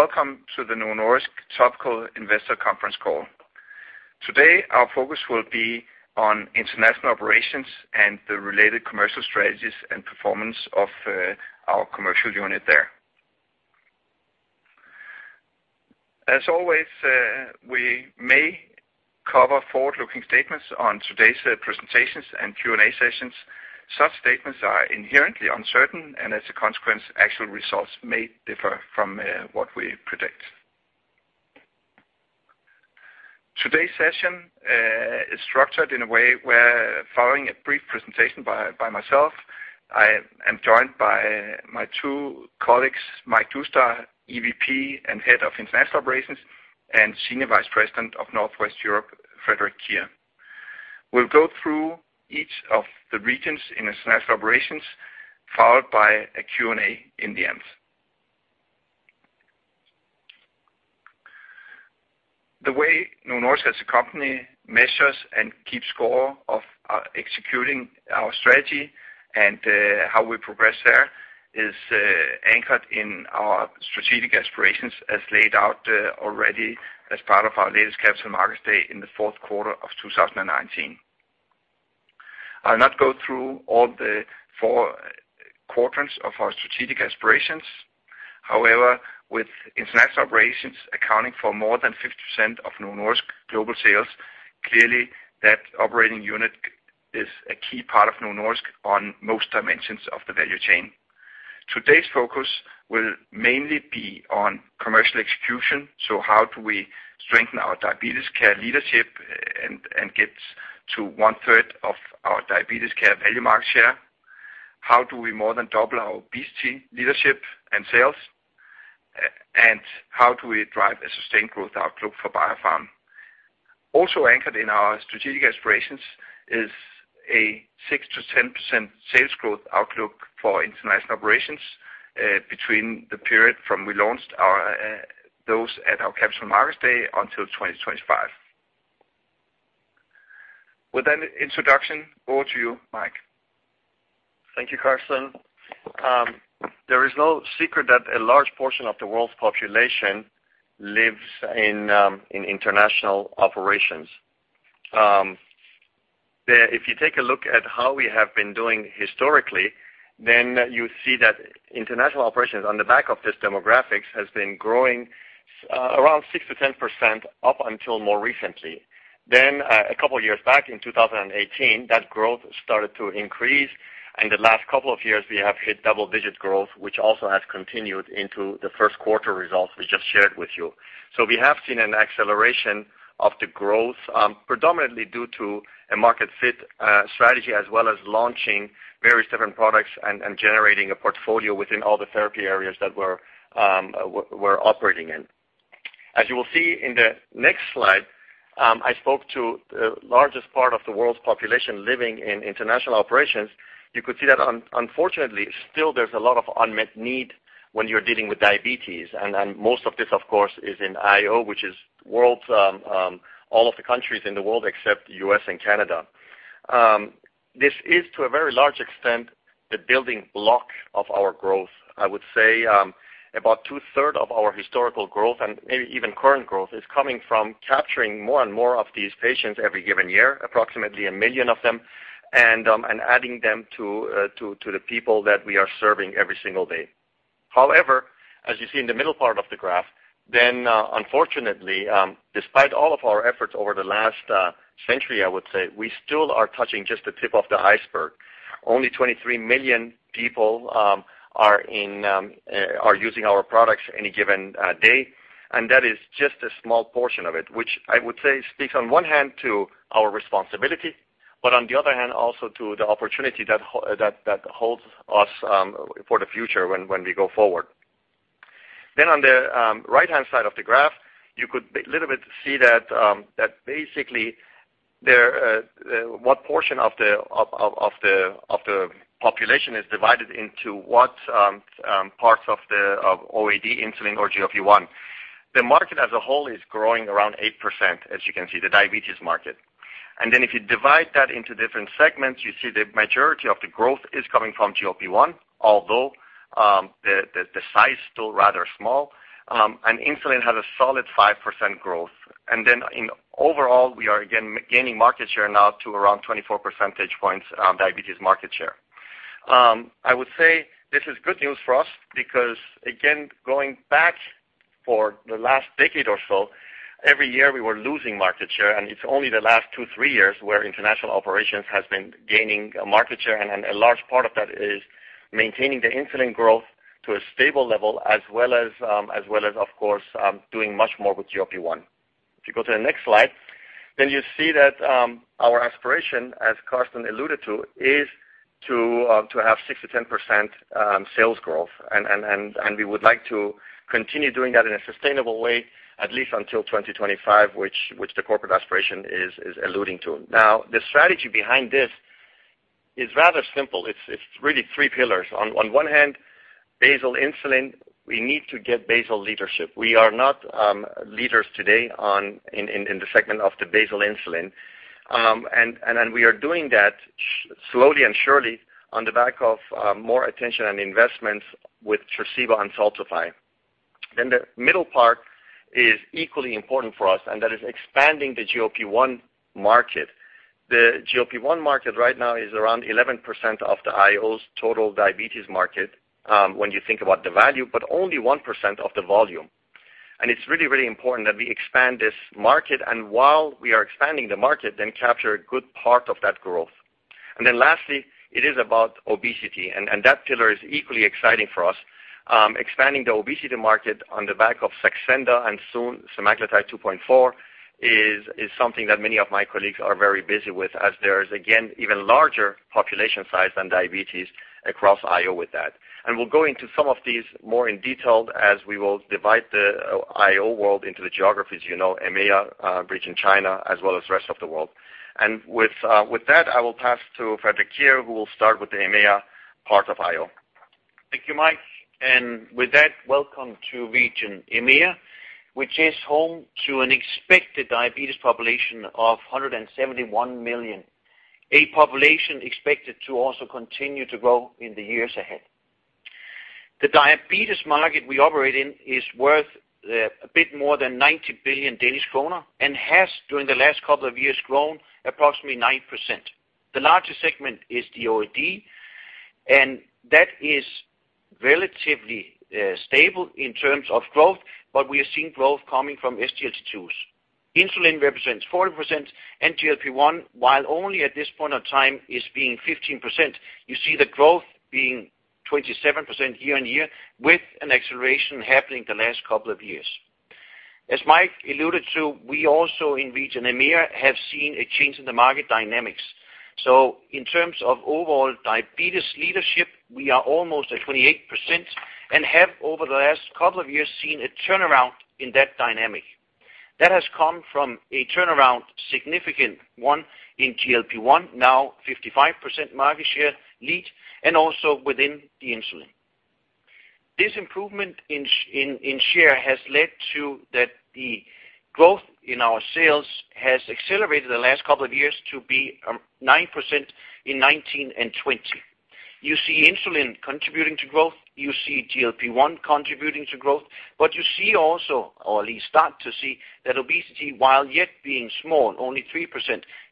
Welcome to the Novo Nordisk Topco Investor Conference Call. Today, our focus will be on International Operations and the related commercial strategies and performance of our commercial unit there. As always, we may cover forward-looking statements on today's presentations and Q&A sessions. Such statements are inherently uncertain. As a consequence, actual results may differ from what we predict. Today's session is structured in a way where following a brief presentation by myself, I am joined by my two colleagues, Mike Doustdar, EVP and Head of International Operations, and Senior Vice President of Northwest Europe, Frederik Kier. We'll go through each of the regions in international operations, followed by a Q&A in the end. The way Novo Nordisk as a company measures and keeps score of executing our strategy and how we progress there is anchored in our strategic aspirations as laid out already as part of our latest Capital Markets Day in the fourth quarter of 2019. I'll not go through all the four quadrants of our strategic aspirations. However, with international operations accounting for more than 50% of Novo Nordisk global sales, clearly that operating unit is a key part of Novo Nordisk on most dimensions of the value chain. Today's focus will mainly be on commercial execution, so how do we strengthen our diabetes care leadership and get to 1/3 of our diabetes care value market share? How do we more than double our obesity leadership and sales? How do we drive a sustained growth outlook for Biopharm? Also anchored in our strategic aspirations is a 6%-10% sales growth outlook for International Operations between the period from we launched those at our Capital Markets Day until 2025. With that introduction, over to you, Mike. Thank you, Karsten. There is no secret that a large portion of the world's population lives in international operations. If you take a look at how we have been doing historically, you see that international operations on the back of this demographics has been growing around 6%-10% up until more recently. A couple of years back in 2018, that growth started to increase, and the last couple of years we have hit double-digit growth, which also has continued into the first quarter results we just shared with you. We have seen an acceleration of the growth, predominantly due to a market fit strategy, as well as launching various different products and generating a portfolio within all the therapy areas that we're operating in. As you will see in the next slide, I spoke to the largest part of the world's population living in international operations. You could see that unfortunately, still there's a lot of unmet need when you're dealing with diabetes. Most of this, of course, is in IO, which is all of the countries in the world except U.S. and Canada. This is, to a very large extent, the building block of our growth. I would say, about two-third of our historical growth and maybe even current growth is coming from capturing more and more of these patients every given year, approximately million of them, and adding them to the people that we are serving every single day. However, as you see in the middle part of the graph, unfortunately, despite all of our efforts over the last century, I would say, we still are touching just the tip of the iceberg. Only 23 million people are using our products any given day, and that is just a small portion of it, which I would say speaks on one hand to our responsibility, but on the other hand, also to the opportunity that holds us for the future when we go forward. On the right-hand side of the graph, you could a little bit see that basically what portion of the population is divided into what parts of the OAD insulin or GLP-1. The market as a whole is growing around 8%, as you can see, the diabetes market. If you divide that into different segments, you see the majority of the growth is coming from GLP-1, although the size is still rather small. Insulin has a solid 5% growth. In overall, we are again gaining market share now to around 24 percentage points diabetes market share. I would say this is good news for us because, again, going back for last decade also, every year we losing market share, the last two, three years where International Operations has been gaining a market share, and a large part of that is maintaining the insulin growth to a stable level as well as, of course, doing much more with GLP-1. If you go to the next slide, then you see that our aspiration, as Karsten alluded to, is to have 6%-10% sales growth. We would like to continue doing that in a sustainable way, at least until 2025, which the corporate aspiration is alluding to. The strategy behind this is rather simple. It is really three pillars. On one hand, basal insulin, we need to get basal leadership. We are not leaders today in the segment of the basal insulin. We are doing that through slowly and surely on the back of more attention and investments with Tresiba and Tirzepatide. The middle part is equally important for us, and that is expanding the GLP-1 market. The GLP-1 market right now is around 11% of the IO's total diabetes market, when you think about the value, but only 1% of the volume. It's really important that we expand this market, and while we are expanding the market, then capture a good part of that growth. Lastly, it is about obesity, and that pillar is equally exciting for us. Expanding the obesity market on the back of Saxenda and soon semaglutide 2.4 is something that many of my colleagues are very busy with as there is, again, even larger population size than diabetes across IO with that. We'll go into some of these more in detail as we will divide the IO world into the geographies, EMEA, Region China, as well as the rest of the world. With that, I will pass to Frederik Kier, who will start with the EMEA part of IO. Thank you, Mike. With that, welcome to Region EMEA, which is home to an expected diabetes population of 171 million. A population expected to also continue to grow in the years ahead. The diabetes market we operate in is worth a bit more than 90 billion Danish kroner and has, during the last couple of years, grown approximately 9%. The largest segment is the OAD, and that is relatively stable in terms of growth, but we are seeing growth coming from SGLT2s. Insulin represents 40%, and GLP-1, while only at this point of time is being 15%, you see the growth being 27% year-on-year with an acceleration happening the last couple of years. As Mike alluded to, we also in Region EMEA have seen a change in the market dynamics. In terms of overall diabetes leadership, we are almost at 28% and have over the last couple of years seen a turnaround in that dynamic. That has come from a turnaround, significant one in GLP-1, now 55% market share lead, and also within the insulin. This improvement in share has led to that the growth in our sales has accelerated the last couple of years to be 9% in 2019 and 2020. You see insulin contributing to growth, you see GLP-1 contributing to growth, but you see also, or at least start to see, that obesity, while yet being small, only 3%,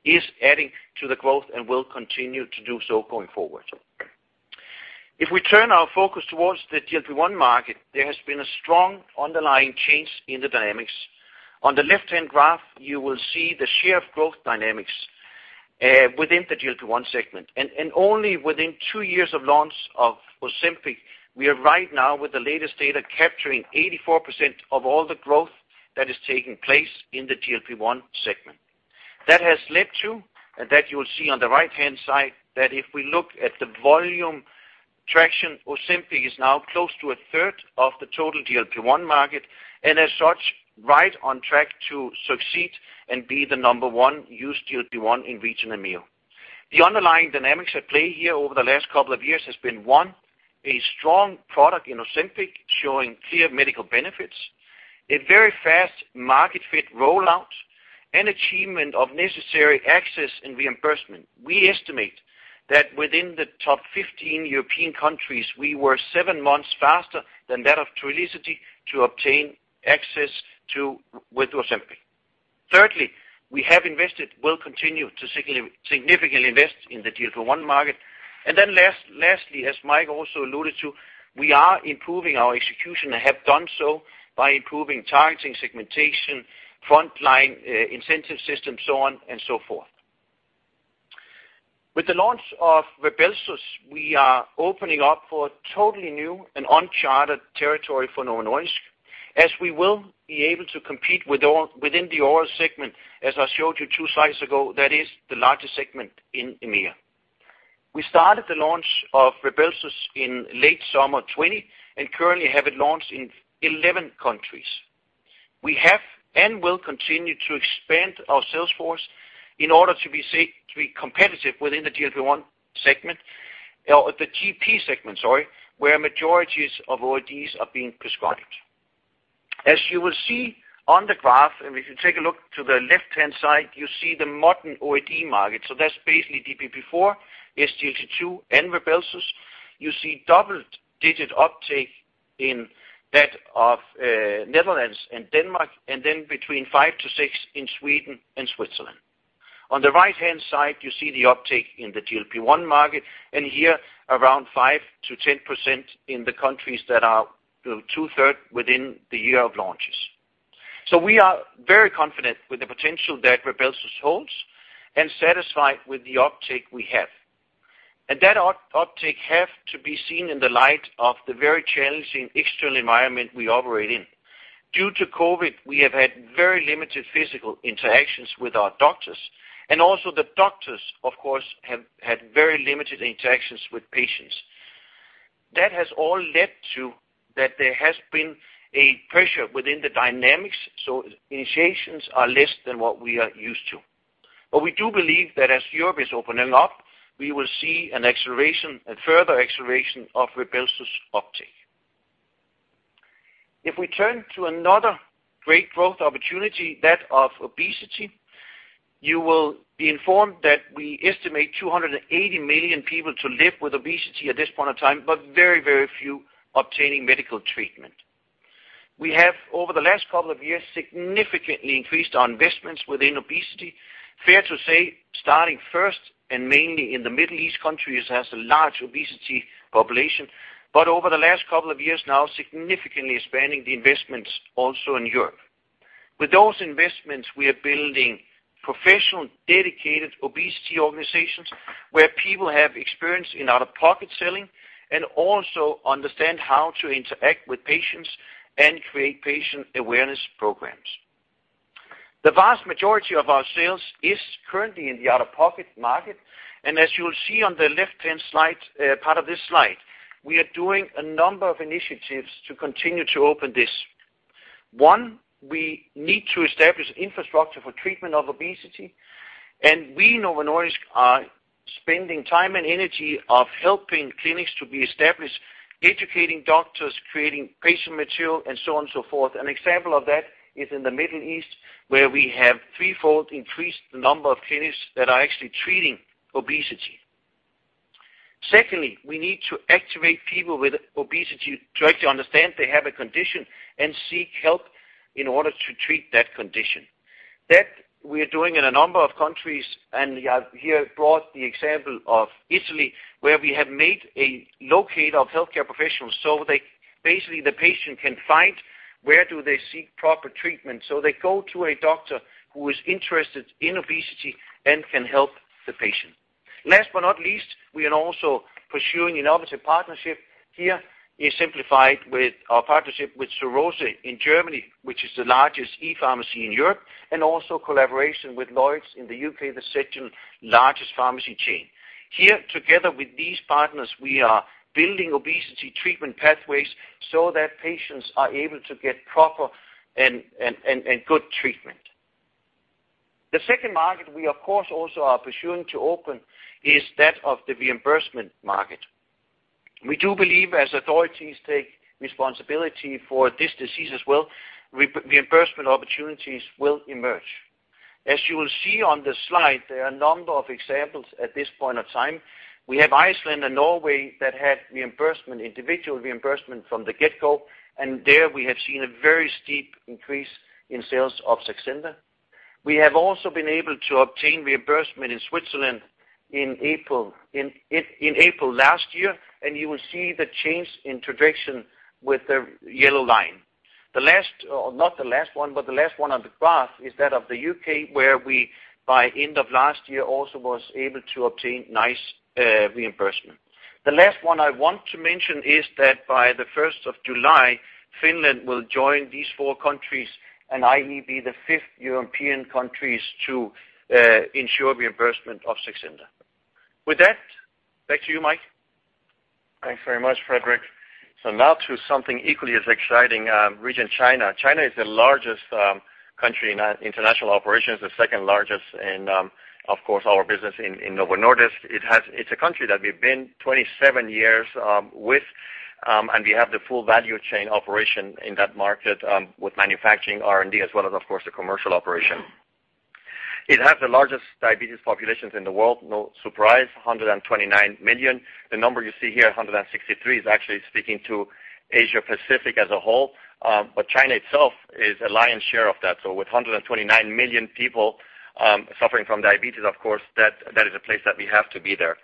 is adding to the growth and will continue to do so going forward. If we turn our focus towards the GLP-1 market, there has been a strong underlying change in the dynamics. On the left-hand graph, you will see the share of growth dynamics within the GLP-1 segment. Only within two years of launch of Ozempic, we are right now with the latest data capturing 84% of all the growth that is taking place in the GLP-1 segment. That has led to, that you will see on the right-hand side, that if we look at the volume traction, Ozempic is now close to a third of the total GLP-1 market, and as such, right on track to succeed and be the number one used GLP-1 in region EMEA. The underlying dynamics at play here over the last couple of years has been, one, a strong product in Ozempic showing clear medical benefits, a very fast market fit rollout, and achievement of necessary access and reimbursement. We estimate that within the top 15 European countries, we were seven months faster than that of Trulicity to obtain access with Ozempic. We have invested, will continue to significantly invest in the GLP-1 market. Lastly, as Mike also alluded to, we are improving our execution and have done so by improving targeting segmentation, frontline incentive systems, so on and so forth. With the launch of RYBELSUS, we are opening up for a totally new and uncharted territory for Novo Nordisk, as we will be able to compete within the oral segment, as I showed you two slides ago, that is the largest segment in EMEA. We started the launch of RYBELSUS in late summer 2020 and currently have it launched in 11 countries. We have and will continue to expand our sales force in order to be competitive within the GLP-1 segment or the GP segment, sorry, where majorities of OADs are being prescribed. As you will see on the graph, if you take a look to the left-hand side, you see the modern OAD market. That's basically DPP4, SGLT2, and RYBELSUS. You see double-digit uptake in that of Netherlands and Denmark, between five to six in Sweden and Switzerland. On the right-hand side, you see the uptake in the GLP-1 market, here around 5%-10% in the countries that are two-third within the year of launches. We are very confident with the potential that RYBELSUS holds and satisfied with the uptake we have. That uptake have to be seen in the light of the very challenging external environment we operate in. Due to COVID, we have had very limited physical interactions with our doctors, and also the doctors, of course, have had very limited interactions with patients. That has all led to that there has been a pressure within the dynamics. Initiations are less than what we are used to. We do believe that as Europe is opening up, we will see a further acceleration of RYBELSUS uptake. If we turn to another great growth opportunity, that of obesity, you will be informed that we estimate 280 million people to live with obesity at this point of time, but very few obtaining medical treatment. We have, over the last couple of years, significantly increased our investments within obesity. Fair to say, starting first and mainly in the Middle East countries, has a large obesity population. Over the last couple of years now, significantly expanding the investments also in Europe. With those investments, we are building professional, dedicated obesity organizations where people have experience in out-of-pocket selling and also understand how to interact with patients and create patient awareness programs. The vast majority of our sales is currently in the out-of-pocket market, and as you'll see on the left-hand part of this slide, we are doing a number of initiatives to continue to open this. One, we need to establish infrastructure for treatment of obesity, and we, Novo Nordisk, are spending time and energy of helping clinics to be established, educating doctors, creating patient material, and so on and so forth. An example of that is in the Middle East, where we have threefold increased the number of clinics that are actually treating obesity. Secondly, we need to activate people with obesity to actually understand they have a condition and seek help in order to treat that condition. That we are doing in a number of countries, and here I've brought the example of Italy, where we have made a locator of healthcare professionals, so basically, the patient can find where do they seek proper treatment. They go to a doctor who is interested in obesity and can help the patient. Last but not least, we are also pursuing innovative partnership. Here is simplified with our partnership with Zur Rose in Germany, which is the largest e-pharmacy in Europe, and also collaboration with LloydsPharmacy in the U.K., the second-largest pharmacy chain. Here, together with these partners, we are building obesity treatment pathways so that patients are able to get proper and good treatment. The second market we, of course, also are pursuing to open is that of the reimbursement market. We do believe as authorities take responsibility for this disease as well, reimbursement opportunities will emerge. As you will see on the slide, there are a number of examples at this point of time. We have Iceland and Norway that had individual reimbursement from the get-go, and there we have seen a very steep increase in sales of Saxenda. We have also been able to obtain reimbursement in Switzerland in April last year, and you will see the change in tradition with the yellow line. The last, not the last one, but the last one on the graph is that of the U.K., where we, by end of last year, also was able to obtain NICE reimbursement. The last one I want to mention is that by the 1st of July, Finland will join these four countries, and ideally, the fifth European countries to ensure reimbursement of Saxenda. With that, back to you, Mike. Thanks very much, Frederik. Now to something equally as exciting, region China. China is the largest country in international operations, the second largest in, of course, our business in Novo Nordisk. It's a country that we've been 27 years with, and we have the full value chain operation in that market with manufacturing R&D as well as, of course, the commercial operation. It has the largest diabetes populations in the world. No surprise, 129 million. The number you see here, 163, is actually speaking to Asia-Pacific as a whole. China itself is the lion's share of that. With 129 million people suffering from diabetes, of course, that is a place that we have to be there.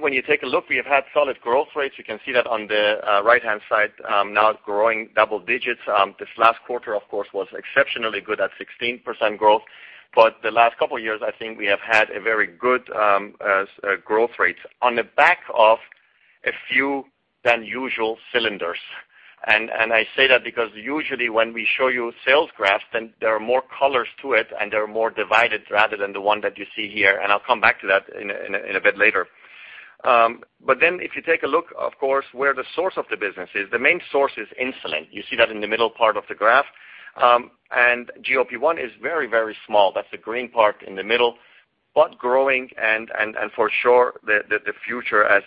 When you take a look, we've had solid growth rates. You can see that on the right-hand side, now growing double digits. This last quarter, of course, was exceptionally good at 16% growth. The last couple of years, I think we have had a very good growth rate on the back of fewer than usual cylinders. I say that because usually when we show you sales graphs, then there are more colors to it, and they're more divided rather than the one that you see here. I'll come back to that in a bit later. If you take a look, of course, where the source of the business is. The main source is insulin. You see that in the middle part of the graph. GLP-1 is very small. That's the green part in the middle, but growing and for sure, the future as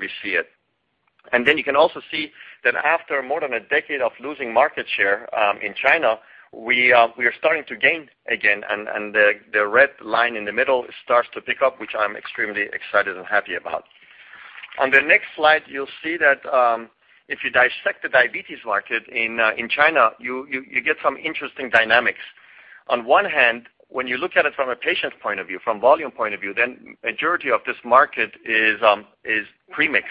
we see it. You can also see that after more than a decade of losing market share in China, we are starting to gain again, and the red line in the middle starts to pick up, which I'm extremely excited and happy about. On the next slide, you'll see that if you dissect the diabetes market in China, you get some interesting dynamics. On one hand, when you look at it from a patient point of view, from volume point of view, then majority of this market is premix.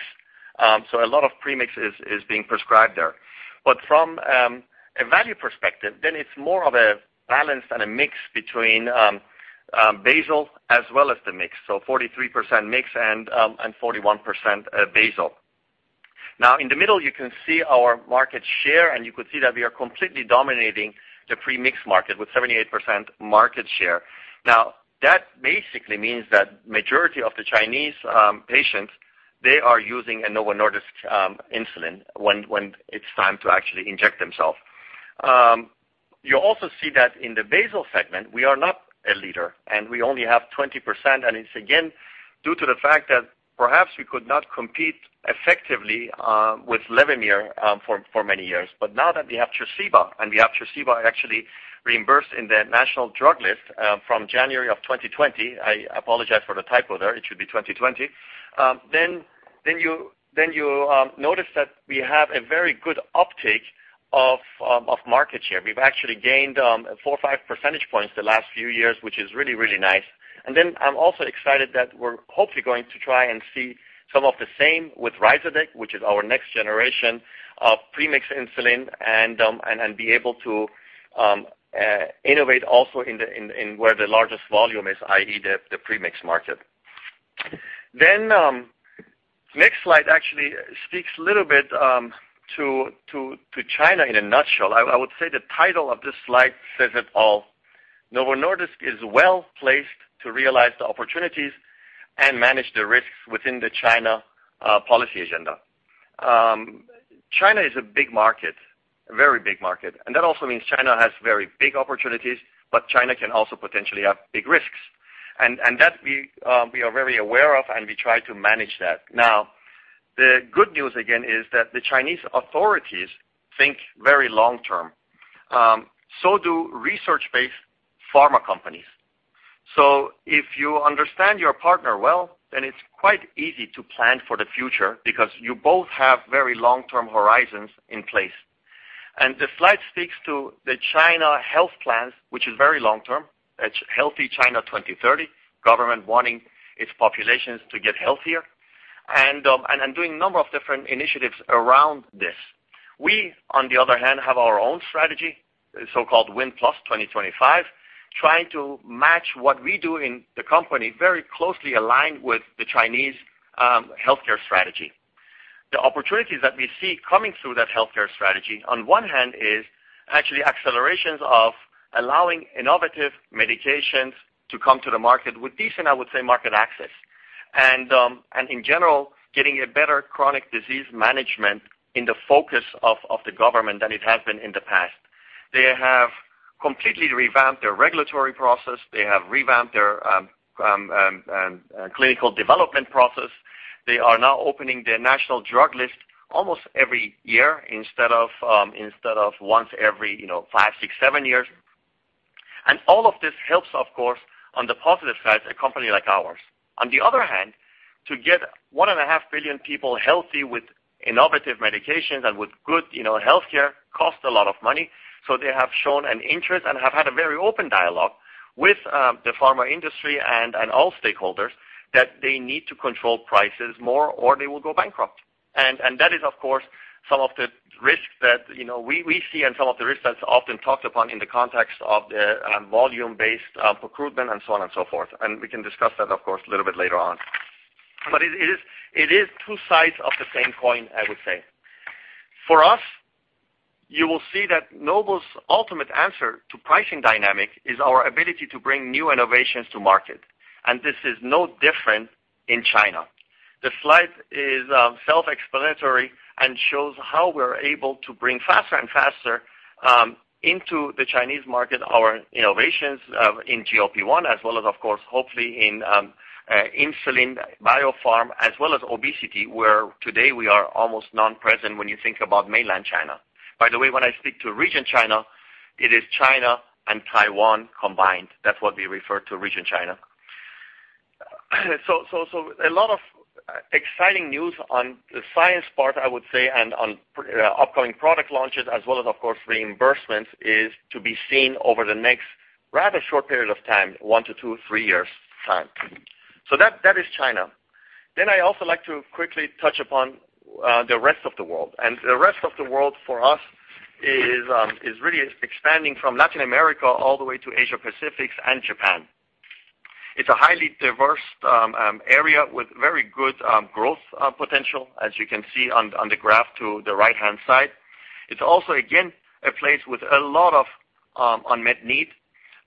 A lot of premix is being prescribed there. From a value perspective, then it's more of a balance and a mix between basal as well as the mix. 43% mix and 41% basal. Now, in the middle, you can see our market share, and you can see that we are completely dominating the premix market with 78% market share. Now, that basically means that majority of the Chinese patients, they are using a Novo Nordisk insulin when it's time to actually inject themselves. You also see that in the basal segment, we are not a leader, and we only have 20%. It's again, due to the fact that perhaps we could not compete effectively with Levemir for many years. Now that we have Tresiba, and we have Tresiba actually reimbursed in the national drug list from January of 2020. I apologize for the typo there. It should be 2020. You notice that we have a very good uptake of market share. We've actually gained four or five percentage points the last few years, which is really nice. I'm also excited that we're hopefully going to try and see some of the same with Ryzodeg, which is our next generation of premix insulin, and be able to innovate also where the largest volume is, i.e., the premix market. Next slide actually speaks a little bit to China in a nutshell. I would say the title of this slide says it all. Novo Nordisk is well-placed to realize the opportunities and manage the risks within the China policy agenda. China is a big market, a very big market, and that also means China has very big opportunities, but China can also potentially have big risks. That we are very aware of, and we try to manage that. Now, the good news again is that the Chinese authorities think very long-term. Do research-based pharma companies. If you understand your partner well, then it's quite easy to plan for the future because you both have very long-term horizons in place. The slide speaks to the China health plans, which is very long-term. It's Healthy China 2030, government wanting its populations to get healthier, and doing a number of different initiatives around this. We, on the other hand, have our own strategy, so-called Win Plus 2025, trying to match what we do in the company very closely aligned with the Chinese healthcare strategy. The opportunities that we see coming through that healthcare strategy, on one hand, is actually accelerations of allowing innovative medications to come to the market with decent, I would say, market access. In general, getting a better chronic disease management in the focus of the government than it has been in the past. They have completely revamped their regulatory process. They have revamped their clinical development process. They are now opening their national drug list almost every year instead of once every five, six, seven years. All of this helps, of course, on the positive side, a company like ours. On the other hand, to get 1.5 billion people healthy with innovative medications and with good healthcare costs a lot of money. They have shown an interest and have had a very open dialogue with the pharma industry and all stakeholders that they need to control prices more or they will go bankrupt. That is, of course, some of the risks that we see and some of the risks that's often talked about in the context of volume-based procurement and so on and so forth. We can discuss that, of course, a little bit later on. It is two sides of the same coin, I would say. For us, you will see that Novo's ultimate answer to pricing dynamic is our ability to bring new innovations to market, and this is no different in China. The slide is self-explanatory and shows how we're able to bring faster and faster into the Chinese market our innovations in GLP-1, as well as, of course, hopefully in insulin biopharm, as well as obesity, where today we are almost non-present when you think about mainland China. By the way, when I speak to region China, it is China and Taiwan combined. That's what we refer to region China. A lot of exciting news on the science part, I would say, and on upcoming product launches, as well as, of course, reimbursements is to be seen over the next rather short period of time, one to two, three years' time. That is China. I also like to quickly touch upon the rest of the world. The rest of the world for us is really expanding from Latin America all the way to Asia-Pacifics and Japan. It's a highly diverse area with very good growth potential, as you can see on the graph to the right-hand side. It's also, again, a place with a lot of unmet need.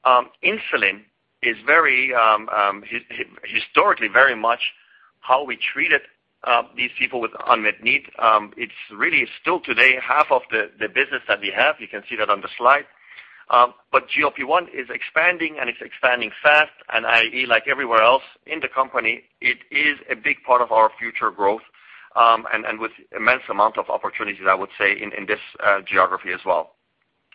Insulin is historically very much how we treated these people with unmet need. It's really still today half of the business that we have. You can see that on the slide. GLP-1 is expanding, and it's expanding fast, and i.e., like everywhere else in the company, it is a big part of our future growth, and with immense amount of opportunities, I would say, in this geography as well.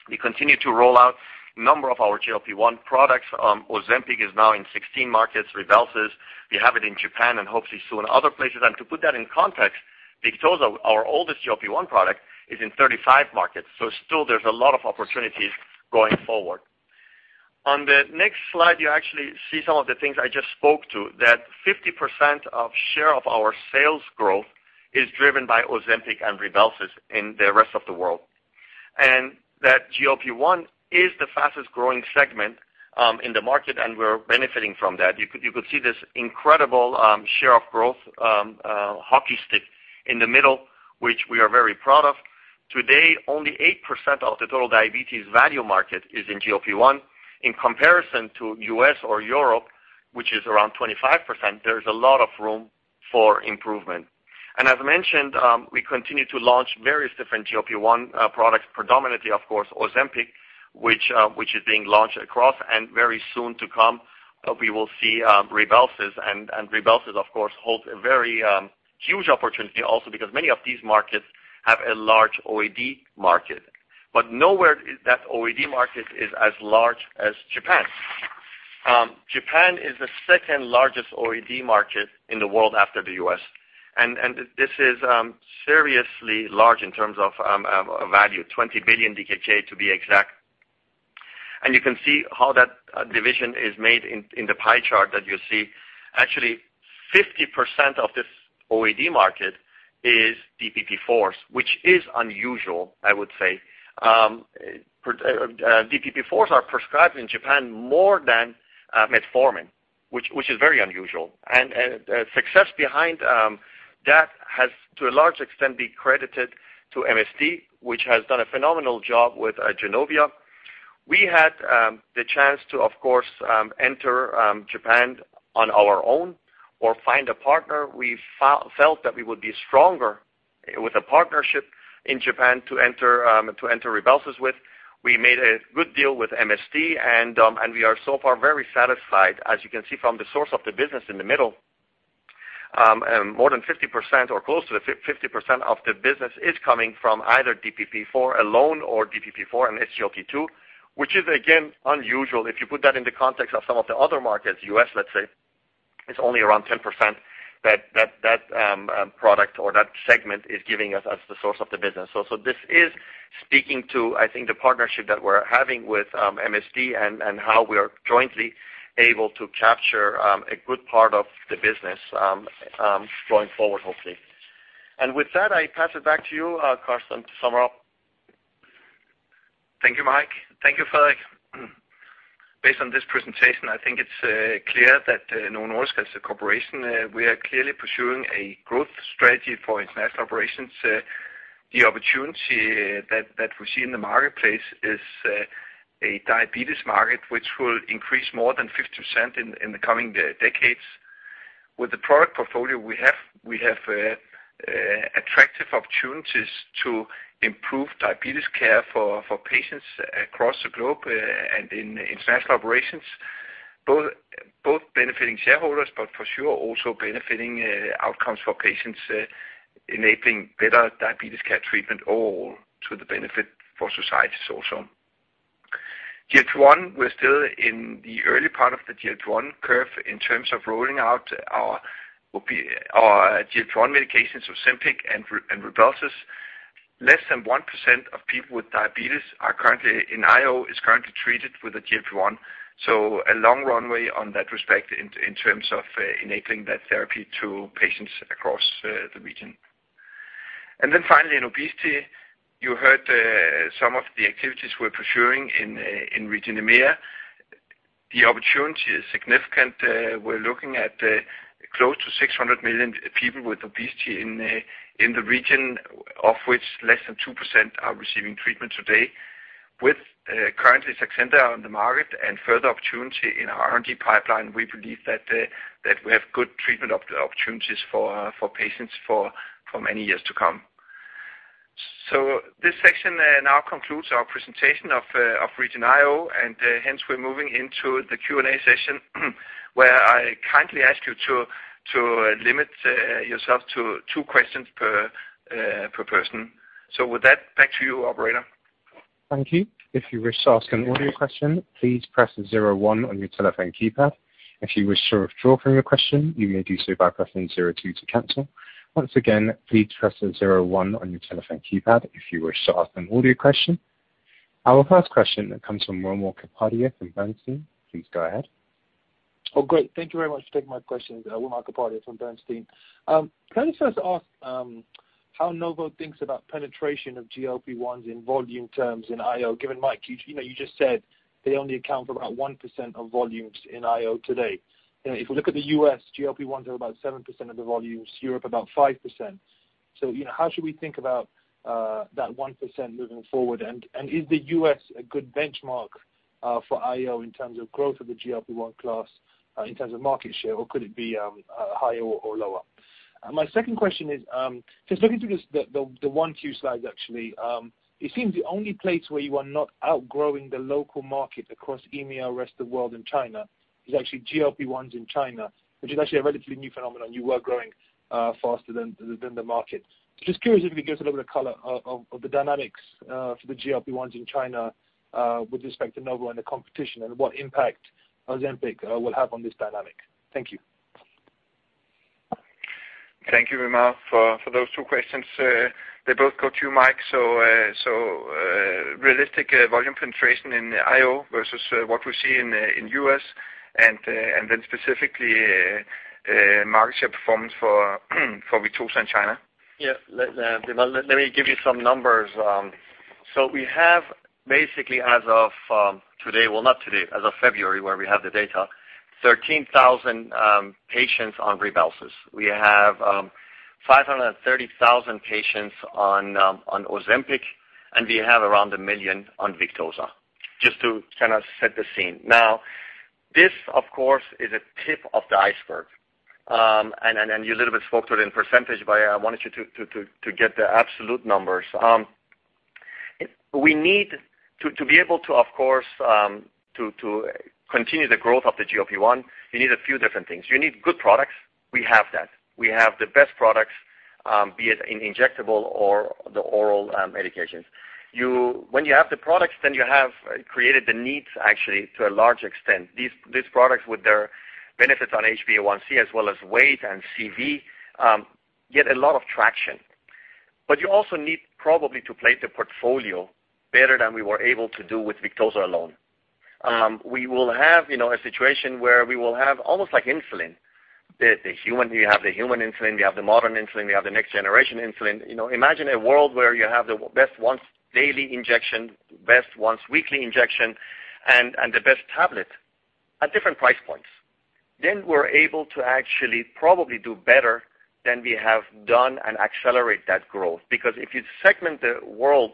We continue to roll out a number of our GLP-1 products. Ozempic is now in 16 markets, RYBELSUS, we have it in Japan and hopefully soon other places. To put that in context, Victoza, our oldest GLP-1 product, is in 35 markets. Still there's a lot of opportunities going forward. On the next slide, you actually see some of the things I just spoke to, that 50% of share of our sales growth is driven by Ozempic and RYBELSUS in the rest of the world. That GLP-1 is the fastest-growing segment in the market, and we're benefiting from that. You could see this incredible share of growth hockey stick in the middle, which we are very proud of. Today, only 8% of the total diabetes value market is in GLP-1. In comparison to U.S. or Europe, which is around 25%, there's a lot of room for improvement. As mentioned, we continue to launch various different GLP-1 products, predominantly, of course, Ozempic, which is being launched across, and very soon to come, we will see RYBELSUS. RYBELSUS, of course, holds a very huge opportunity also because many of these markets have a large OAD market. Nowhere that OAD market is as large as Japan. Japan is the second-largest OAD market in the world after the U.S., and this is seriously large in terms of value, 20 billion DKK to be exact. You can see how that division is made in the pie chart that you see. Actually, 50% of this OAD market is DPP4s, which is unusual, I would say. DPP4s are prescribed in Japan more than metformin, which is very unusual. Success behind that has, to a large extent, been credited to MSD, which has done a phenomenal job with Januvia. We had the chance to, of course, enter Japan on our own or find a partner. We felt that we would be stronger with a partnership in Japan to enter RYBELSUS with. We made a good deal with MSD, and we are so far very satisfied. As you can see from the source of the business in the middle, more than 50% or close to 50% of the business is coming from either DPP4 alone or DPP4 and GLP-1, which is again, unusual. If you put that in the context of some of the other markets, U.S., let's say, it's only around 10% that that product or that segment is giving us as the source of the business. This is speaking to, I think, the partnership that we're having with MSD and how we are jointly able to capture a good part of the business going forward, hopefully. With that, I pass it back to you, Karsten, to sum up. Thank you, Mike. Thank you, Frederik. Based on this presentation, I think it's clear that Novo Nordisk as a corporation, we are clearly pursuing a growth strategy for international operations. The opportunity that we see in the marketplace is a diabetes market which will increase more than 50% in the coming decades. With the product portfolio we have, we have attractive opportunities to improve diabetes care for patients across the globe and in international operations, both benefiting shareholders, but for sure also benefiting outcomes for patients, enabling better diabetes care treatment overall to the benefit for societies also. GLP-1, we're still in the early part of the GLP-1 curve in terms of rolling out our GLP-1 medications, Ozempic and RYBELSUS. Less than 1% of people with diabetes in IO is currently treated with a GLP-1. A long runway on that respect in terms of enabling that therapy to patients across the region. Finally, obesity, you heard some of the activities we're pursuing in region EMEA. The opportunity is significant. We're looking at close to 600 million people with obesity in the region, of which less than 2% are receiving treatment today. With currently Saxenda on the market and further opportunity in our R&D pipeline, we believe that we have good treatment opportunities for patients for many years to come. This section now concludes our presentation of region IO, and hence we're moving into the Q&A session, where I kindly ask you to limit yourself to two questions per person. With that, back to you, operator. Thank you. If you wish to ask an audio question, please press zero one on your telephone keypad. If you wish to withdraw from your question, you may do so by pressing zero two to cancel. Once again, please press zero one on your telephone keypad if you wish to ask an audio question. Our first question comes from Wimal Kapadia from Bernstein. Please go ahead. Oh, great. Thank you very much. Thanks for taking my questions. Wimal Kapadia from Bernstein. Plenty to ask how Novo thinks about penetration of GLP-1s in volume terms in IO, given, Mike, you just said they only account for about 1% of volumes in IO today. If you look at the U.S., GLP-1s are about 7% of the volumes, Europe about 5%. how should we think about that 1% moving forward? is the U.S. a good benchmark for IO in terms of growth of the GLP-1 class in terms of market share, or could it be higher or lower? my second question is, just looking through the one, two slides, actually, it seems the only place where you are not outgrowing the local market across EMEA, rest of the world, and China is actually GLP-1s in China, which is actually a relatively new phenomenon. You were growing faster than the market. Just curious if you could give a bit of color of the dynamics for the GLP-1s in China with respect to Novo and the competition and what impact Ozempic will have on this dynamic. Thank you. Thank you, Wimal, for those two questions. They both go to you, Mike. Realistic volume penetration in the IO versus what we see in U.S. and then specifically market share performance for Victoza in China. Yeah. Let me give you some numbers. We have basically as of today, well, not today, as of February where we have the data, 13,000 patients on RYBELSUS. We have 530,000 patients on Ozempic, and we have around 1,000,000 on Victoza, just to kind of set the scene. This, of course, is a tip of the iceberg. You spoke to it in percentage, but I want you to get the absolute numbers. To be able to, of course, to continue the growth of the GLP-1, we need a few different things. We need good products. We have that. We have the best products, be it in injectable or the oral medications. When you have the products, then you have created the needs actually, to a large extent. These products, with their benefits on HbA1c as well as weight and CV, get a lot of traction. You also need probably to play the portfolio better than we were able to do with Victoza alone. We will have a situation where we will have almost like insulin, you have the human insulin, you have the modern insulin, you have the next generation insulin. Imagine a world where you have the best once-daily injection, best once-weekly injection, and the best tablet at different price points. We're able to actually probably do better than we have done and accelerate that growth. Because if you segment the world,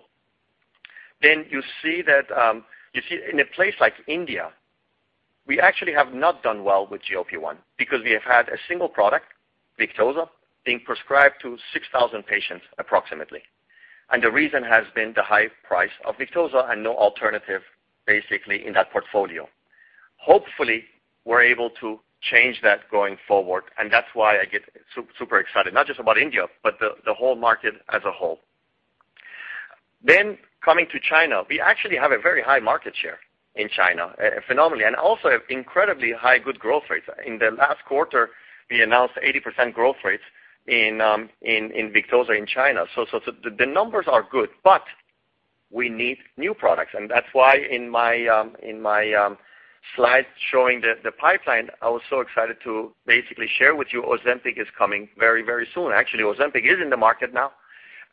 then you see in a place like India, we actually have not done well with GLP-1 because we have had a single product, Victoza, being prescribed to 6,000 patients approximately. The reason has been the high price of Victoza and no alternative, basically, in that portfolio. Hopefully, we're able to change that going forward, and that's why I get super excited, not just about India, but the whole market as a whole. Coming to China, we actually have a very high market share in China, phenomenally, and also incredibly high good growth rates. In the last quarter, we announced 80% growth rates in Victoza in China. The numbers are good, but we need new products, and that's why in my slides showing the pipeline, I was so excited to basically share with you Ozempic is coming very, very soon. Actually, Ozempic is in the market now,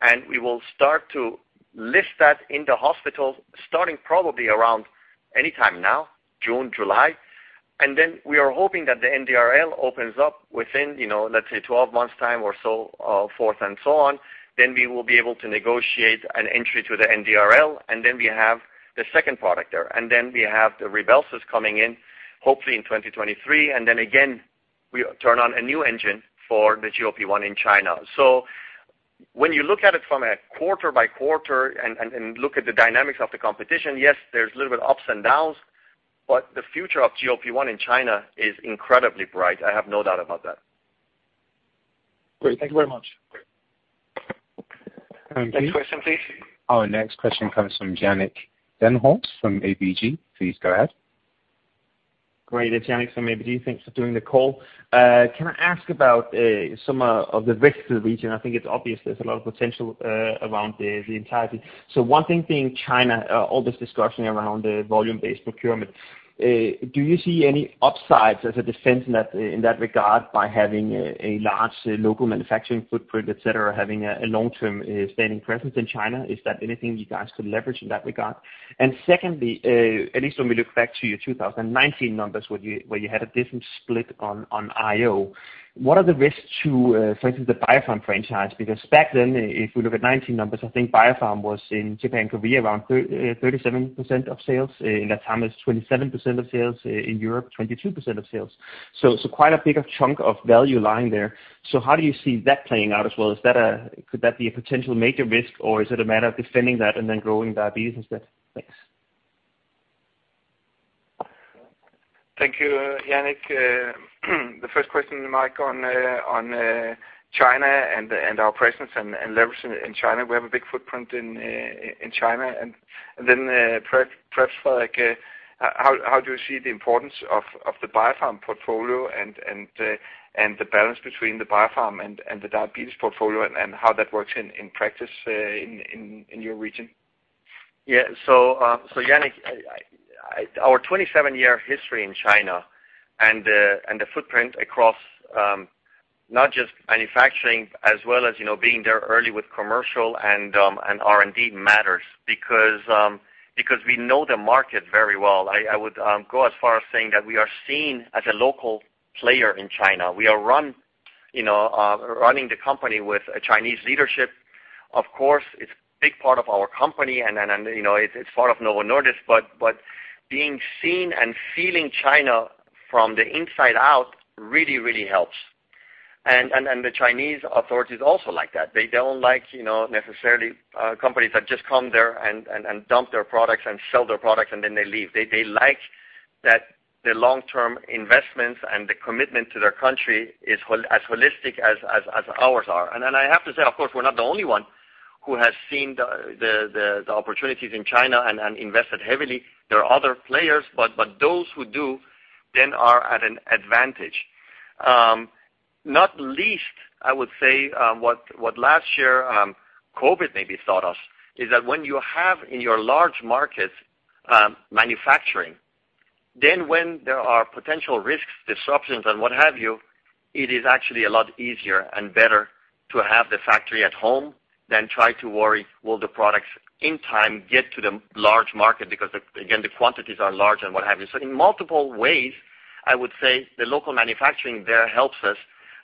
and we will start to list that in the hospitals starting probably around anytime now, June, July. We are hoping that the NDRL opens up within, let's say, 12 months time or so forth and so on. We will be able to negotiate an entry to the NDRL, and then we have the second product there. we have the RYBELSUS coming in, hopefully in 2023. we turn on a new engine for the GLP-1 in China. when you look at it from a quarter by quarter and look at the dynamics of the competition, yes, there's little ups and downs, but the future of GLP-1 in China is incredibly bright. I have no doubt about that. Great. Thank you very much. Next question, please. Our next question comes from Jannick Denholz from ABG. Please go ahead. Great. Jannick from ABG, thanks for doing the call. Can I ask about some of the risks to the region? I think it's obvious there's a lot of potential around the entirety. One thing being China, all this discussion around the volume-based procurement, do you see any upsides as a defense in that regard by having a large local manufacturing footprint, et cetera, having a long-term standing presence in China? Is that anything you guys could leverage in that regard? Secondly, at least when we look back to your 2019 numbers where you had a different split on IO, what are the risks to, for instance, the Biopharm franchise? Because back then, if we look at 2019 numbers, I think Biopharm was in Japan, Korea, around 37% of sales. In Latin America, 27% of sales. In Europe, 22% of sales. Quite a big chunk of value lying there. How do you see that playing out as well? Could that be a potential major risk, or is it a matter of defending that and then growing diabetes instead? Thanks. Thank you, Jannick. The first question, Mike, on China and our presence and leverage in China. We have a big footprint in China. Perhaps for like how do you see the importance of the Biopharm portfolio and the balance between the Biopharm and the diabetes portfolio and how that works in practice in your region? Yeah. Jannick, our 27-year history in China and the footprint across not just manufacturing as well as being there early with commercial and R&D matters because we know the market very well. I would go as far as saying that we are seen as a local player in China. We are running the company with a Chinese leadership. Of course, it's a big part of our company, and then it's part of Novo Nordisk. Being seen and feeling China from the inside out really, really helps. The Chinese authorities also like that. They don't like necessarily companies that just come there and dump their products and sell their product, and then they leave. They like that the long-term investments and the commitment to their country is as holistic as ours are. I have to say, of course, we're not the only one who has seen the opportunities in China and invested heavily. There are other players, but those who do, then are at an advantage. Not least, I would say, what last year COVID maybe taught us is that when you have in your large market manufacturing, then when there are potential risks, disruptions, and what have you, it is actually a lot easier and better to have the factory at home than try to worry will the products in time get to the large market because, again, the quantities are large and what have you. In multiple ways, I would say the local manufacturing there helps us.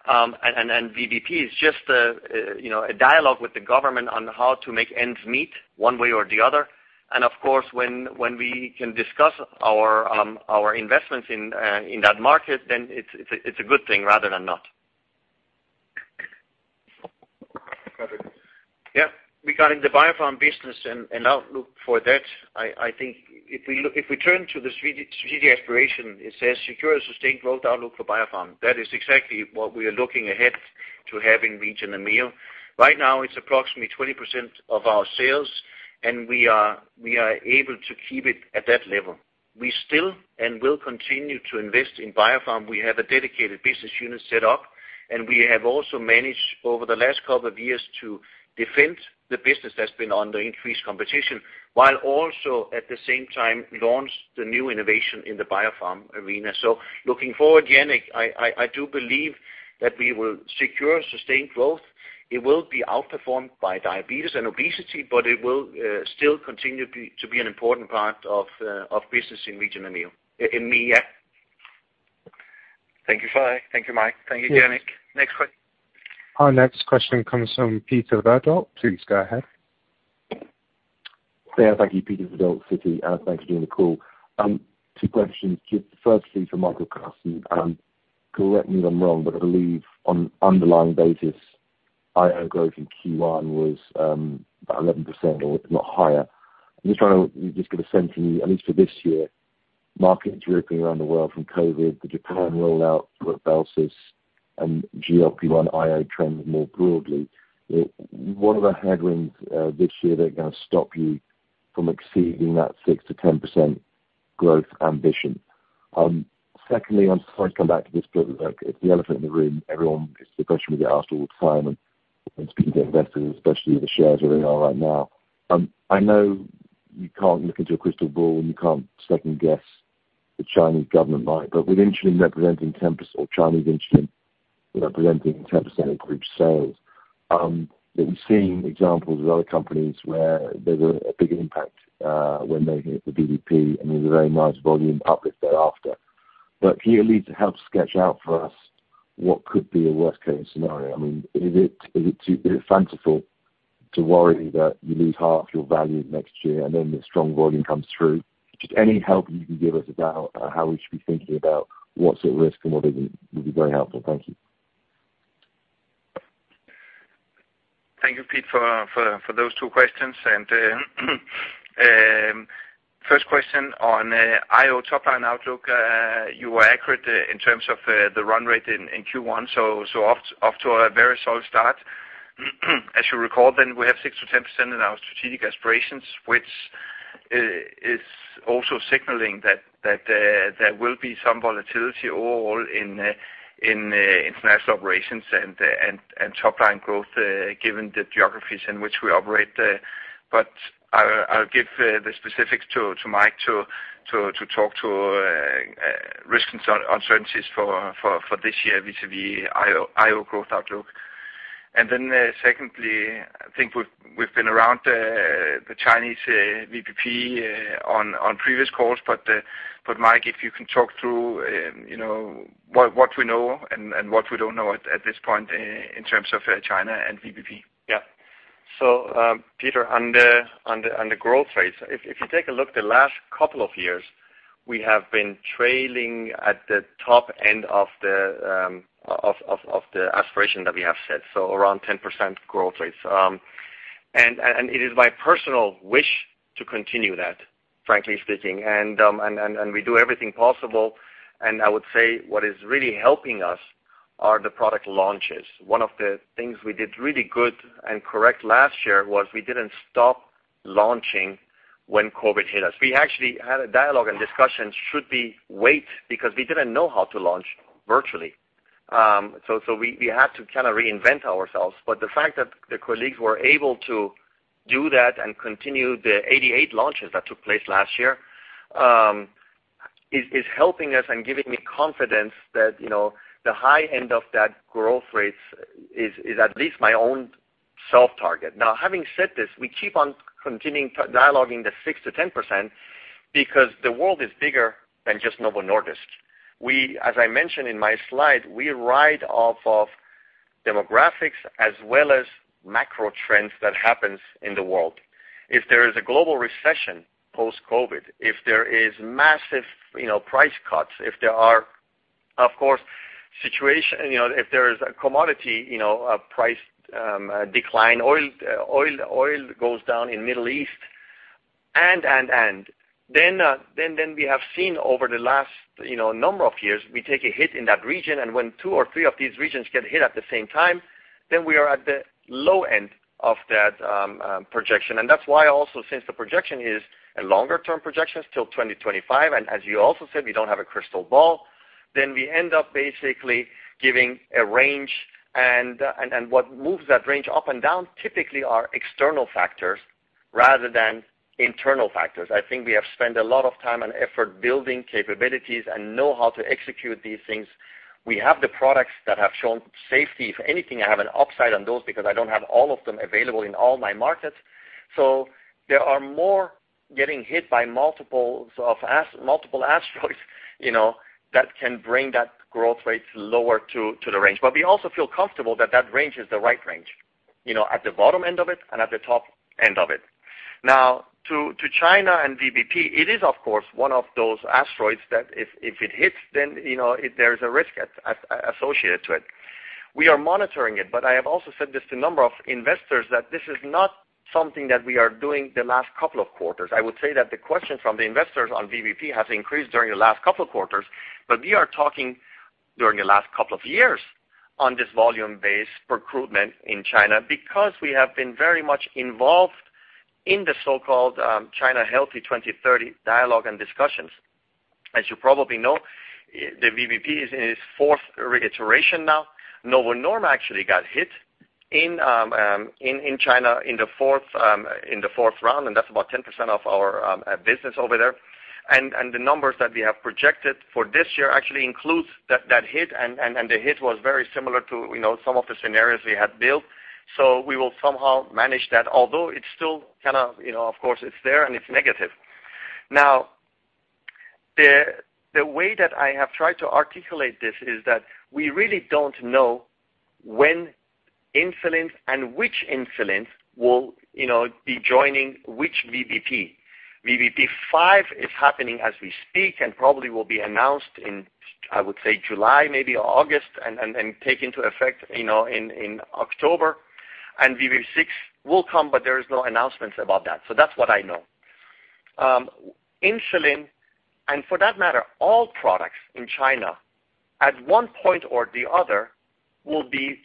VBP is just a dialogue with the government on how to make ends meet one way or the other. Of course, when we can discuss our investments in that market, then it's a good thing rather than not. Perfect. Yeah. Regarding the Biopharm business and outlook for that, I think if we turn to the strategy aspiration, it says, "Secure a sustained growth outlook for Biopharm." That is exactly what we are looking ahead to have in Region EMEA. Right now, it's approximately 20% of our sales, and we are able to keep it at that level. We still and will continue to invest in Biopharm. We have a dedicated business unit set up, and we have also managed over the last couple of years to defend the business that's been under increased competition, while also, at the same time, launch the new innovation in the Biopharm arena. Looking forward, Jannick, I do believe that we will secure sustained growth. It will be outperformed by diabetes and obesity, but it will still continue to be an important part of business in EMEA. Thank you, Frederik. Thank you, Mike. Thank you, Jannick. Next question. Our next question comes from Peter Verdult. Please go ahead. Yeah, thank you. Peter Verdult, Citi. Thanks for doing the call. Two questions. Firstly, for Michael Larsen, correct me if I'm wrong, but I believe on an underlying basis, IO growth in Q1 was about 11% or if not higher. I'm just trying to just get a sense from you, at least for this year, markets reopening around the world from COVID, the Japan rollout for RYBELSUS, and GLP-1 IO trends more broadly. What are the headwinds this year that are going to stop you from exceeding that 6%-10% growth ambition? Secondly, I'm sorry to come back to this, but it's the elephant in the room. It's the question we get asked all the time and speaking to investors, especially with the shares where they are right now. I know you can't look into a crystal ball, and you can't second guess the Chinese government might, but with Chinese interest representing 10% of group sales, that we've seen examples of other companies where there's a bigger impact when they hit the VBP and there's a very nice volume uplift thereafter. Can you at least help sketch out for us what could be a worst-case scenario? Is it fanciful to worry that you lose half your value next year and then the strong volume comes through? Just any help you can give us about how we should be thinking about what's at risk and what isn't, would be very helpful. Thank you. Thank you, Peter, for those two questions. First question on IO top line outlook, you were accurate in terms of the run rate in Q1, so off to a very solid start. As you recall, then we have 6%-10% in our strategic aspirations, which is also signaling that there will be some volatility overall in international operations and top line growth given the geographies in which we operate. I'll give the specifics to Mike to talk to risks and uncertainties for this year vis-a-vis IO growth outlook. Secondly, I think we've been around the Chinese VBP on previous calls, but Mike, if you can talk through what we know and what we don't know at this point in terms of China and VBP. Yeah. Peter, on the growth rates, if you take a look the last couple of years, we have been trailing at the top end of the aspiration that we have set, so around 10% growth rates. It is my personal wish to continue that, frankly speaking, and we do everything possible. I would say what is really helping us are the product launches. One of the things we did really good and correct last year was we didn't stop launching when COVID hit us. We actually had a dialogue and discussion, should we wait because we didn't know how to launch virtually. We had to kind of reinvent ourselves. The fact that the colleagues were able to do that and continue the 88 launches that took place last year is helping us and giving me confidence that the high end of that growth rate is at least my own self target. Now, having said this, we keep on continuing dialoguing the 6%-10% because the world is bigger than just Novo Nordisk. As I mentioned in my slide, we ride off of demographics as well as macro trends that happens in the world. If there is a global recession post-COVID, if there is massive price cuts, if there is a commodity price decline, oil goes down in Middle East, and, then we have seen over the last number of years, we take a hit in that region, and when two or three of these regions get hit at the same time, then we are at the low end of that projection. That's why also since the projection is a longer term projection, it's till 2025, and as you also said, we don't have a crystal ball, then we end up basically giving a range, and what moves that range up and down typically are external factors rather than internal factors. I think we have spent a lot of time and effort building capabilities and know how to execute these things. We have the products that have shown safety. If anything, I have an upside on those because I don't have all of them available in all my markets. There are more. Getting hit by multiple asteroids that can bring that growth rate lower to the range. We also feel comfortable that range is the right range, at the bottom end of it and at the top end of it. Now, to China and VBP, it is of course one of those asteroids that if it hits, then there's a risk associated to it. We are monitoring it, but I have also said this to a number of investors, that this is not something that we are doing the last couple of quarters. I would say that the questions from the investors on VBP have increased during the last couple of quarters, but we are talking during the last couple of years on this volume-based procurement in China, because we have been very much involved in the so-called Healthy China 2030 dialogue and discussions. As you probably know, the VBP is in its fourth iteration now. Novo Nordisk actually got hit in China in the fourth round, and that's about 10% of our business over there. The numbers that we have projected for this year actually includes that hit, and the hit was very similar to some of the scenarios we had built. We will somehow manage that. Although it's still, of course, it's there and it's negative. Now, the way that I have tried to articulate this is that we really don't know when insulin and which insulin will be joining which VBP. VBP5 is happening as we speak and probably will be announced in, I would say, July, maybe August, and take into effect in October. VBP6 will come, but there is no announcements about that. That's what I know. Insulin, and for that matter, all products in China, at one point or the other, will be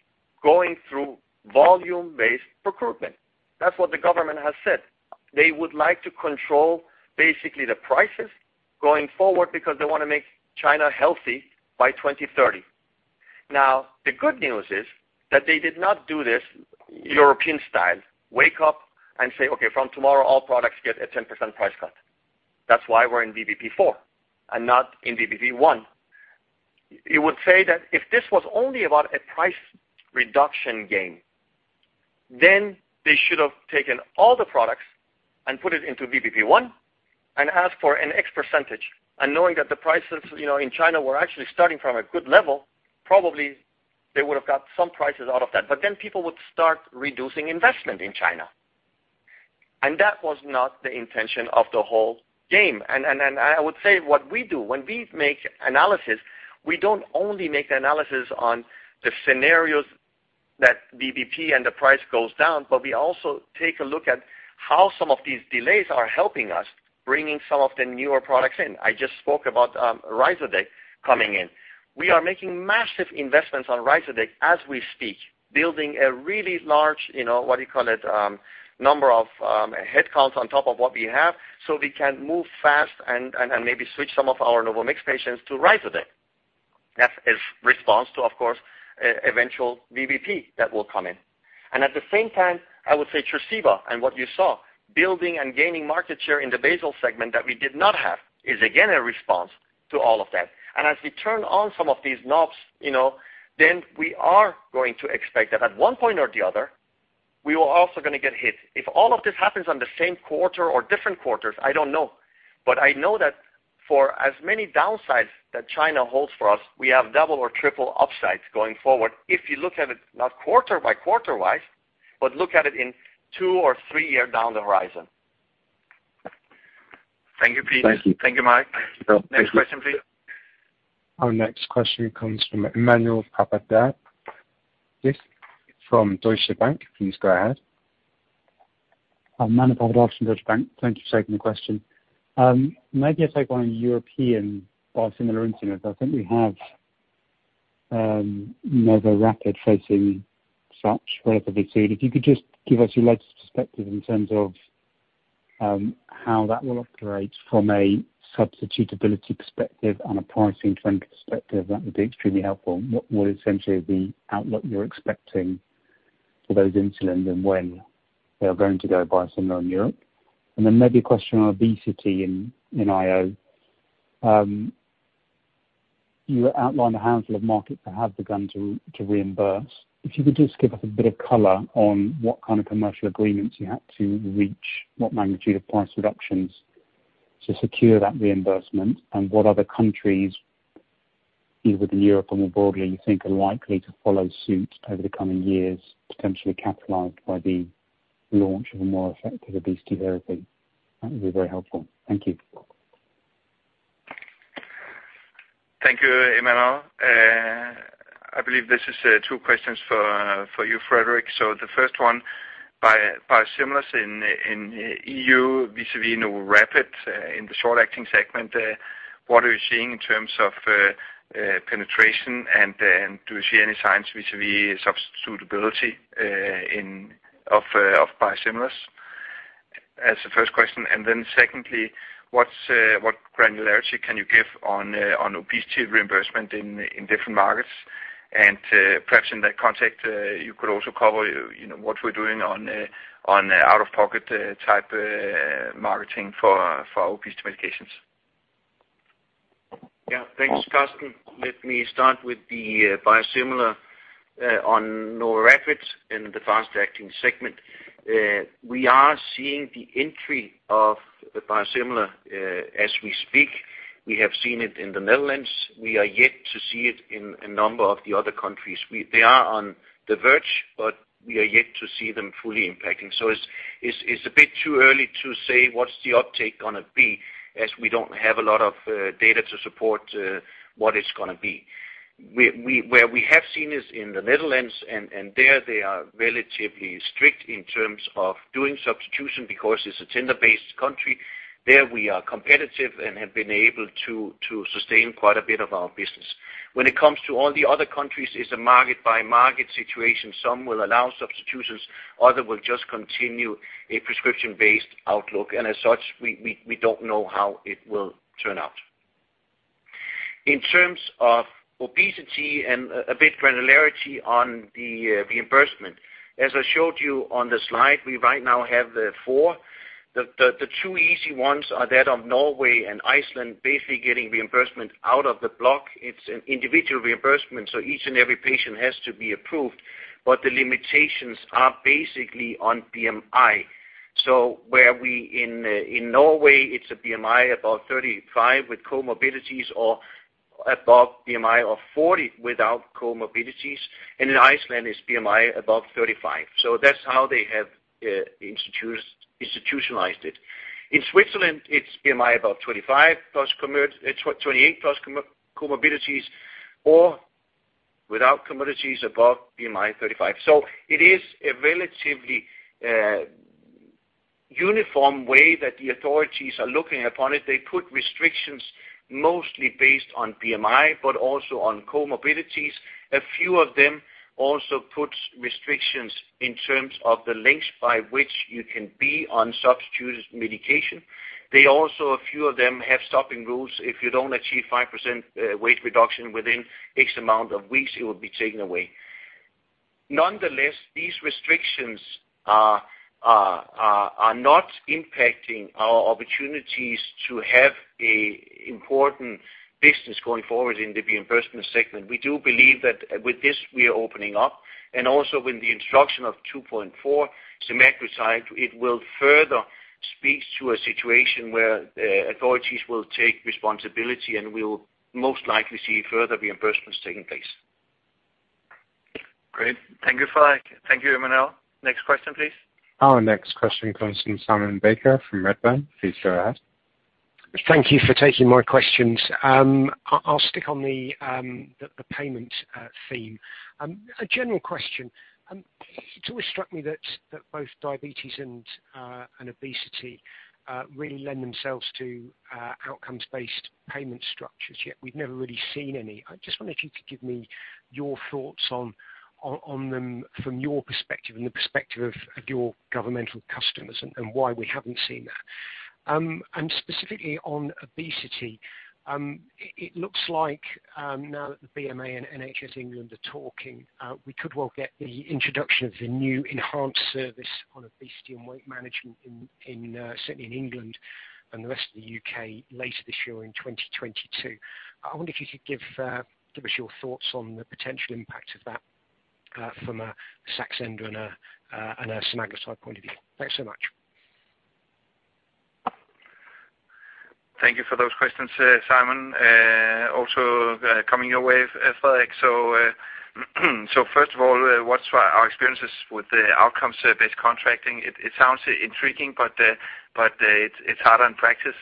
going through volume-based procurement. That's what the government has said. They would like to control basically the prices going forward because they want to make China healthy by 2030. Now, the good news is that they did not do this European style, wake up and say, "Okay, from tomorrow, all products get a 10% price cut." That's why we're in VBP4 and not in VBP1. You would say that if this was only about a price reduction game, then they should have taken all the products and put it into VBP1 and asked for an X percentage. Knowing that the prices in China were actually starting from a good level, probably they would have got some prices out of that. People would start reducing investment in China, and that was not the intention of the whole game. I would say what we do when we make analysis, we don't only make analysis on the scenarios that VBP and the price goes down, but we also take a look at how some of these delays are helping us bringing some of the newer products in. I just spoke about Ryzodeg coming in. We are making massive investments on Ryzodeg as we speak, building a really large, what do you call it, number of headcounts on top of what we have so we can move fast and maybe switch some of our NovoMix patients to Ryzodeg. That's a response to, of course, eventual VBP that will come in. At the same time, I would say Tresiba and what you saw, building and gaining market share in the basal segment that we did not have is again, a response to all of that. As we turn on some of these knobs, then we are going to expect that at one point or the other, we are also going to get hit. If all of this happens on the same quarter or different quarters, I don't know. I know that for as many downsides that China holds for us, we have double or triple upsides going forward. If you look at it not quarter by quarter wise, but look at it in two or three year down the horizon. Thank you, Peter. Thank you, Mike. Next question, please. Our next question comes from Emmanuel Papadakis from Deutsche Bank. Please go ahead. Emmanuel from Deutsche Bank. Thank you for taking the question. Maybe if I go on European biosimilar insulins, I think we have NovoRapid facing such rivalry too. If you could just give us your latest perspective in terms of how that will operate from a substitutability perspective and a pricing trend perspective, that would be extremely helpful. What is essentially the outlook you're expecting for those insulins and when they're going to go biosimilar in Europe? maybe a question on obesity in IO. You outlined a handful of markets that have begun to reimburse. If you could just give us a bit of color on what kind of commercial agreements you had to reach, what magnitude of price reductions to secure that reimbursement, and what other countries, either within Europe or more broadly, you think are likely to follow suit over the coming years, potentially capitalized by the launch of a more effective obesity therapy. That would be very helpful. Thank you. Thank you, Emmanuel. I believe this is two questions for you, Frederik. The first one, biosimilars in EU vis-à-vis NovoRapid in the short acting segment, what are you seeing in terms of penetration, and do you see any signs vis-à-vis substitutability of biosimilars? That's the first question. secondly, what granularity can you give on obesity reimbursement in different markets? Perhaps in that context, you could also cover what we're doing on out-of-pocket type marketing for obesity medications Thanks, Karsten. Let me start with the biosimilar on NovoRapid in the fast-acting segment. We are seeing the entry of the biosimilar as we speak. We have seen it in the Netherlands. We are yet to see it in a number of the other countries. They are on the verge, but we are yet to see them fully impacting. It's a bit too early to say what's the uptake going to be, as we don't have a lot of data to support what it's going to be. Where we have seen is in the Netherlands, and there they are relatively strict in terms of doing substitution because it's a tender-based country. There we are competitive and have been able to sustain quite a bit of our business. When it comes to all the other countries, it's a market-by-market situation. Some will allow substitutions, others will just continue a prescription-based outlook. As such, we don't know how it will turn out. In terms of obesity and a bit granularity on the reimbursement. As I showed you on the slide, we right now have the four. The two easy ones are that of Norway and Iceland basically getting reimbursement out of the block. It's an individual reimbursement, so each and every patient has to be approved, but the limitations are basically on BMI. Where we in Norway, it's a BMI above 35 with comorbidities or above BMI of 40 without comorbidities, and in Iceland, it's BMI above 35. That's how they have institutionalized it. In Switzerland, it's BMI above 28 plus comorbidities or without comorbidities above BMI 35. It is a relatively uniform way that the authorities are looking upon it. They put restrictions mostly based on BMI but also on comorbidities. A few of them also put restrictions in terms of the length by which you can be on substituted medication. They also, a few of them, have stopping rules. If you don't achieve 5% weight reduction within X amount of weeks, it will be taken away. Nonetheless, these restrictions are not impacting our opportunities to have important business going forward in the reimbursement segment. We do believe that with this, we are opening up, and also with the introduction of 2.4 semaglutide, it will further speak to a situation where authorities will take responsibility, and we'll most likely see further reimbursements taking place. Great. Thank you, Frederik. Thank you, Emmanuel. Next question, please. Our next question comes from Simon Baker from Redburn. Please go ahead. Thank you for taking my questions. I'll stick on the payment theme. A general question. It's always struck me that both diabetes and obesity really lend themselves to outcomes-based payment structures, yet we've never really seen any. I just wondered if you could give me your thoughts on them from your perspective and the perspective of your governmental customers and why we haven't seen that. Specifically on obesity, it looks like now that the BMA and NHS England are talking, we could well get the introduction of the new enhanced service on obesity and weight management certainly in England and the rest of the U.K. later this year in 2022. I wonder if you could give us your thoughts on the potential impact of that from a Saxenda and a semaglutide point of view. Thanks so much. Thank you for those questions, Simon, also coming your way, Frederik. First of all, what's our experiences with the outcomes-based contracting? It sounds intriguing, but it's hard in practice.